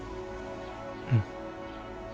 うん。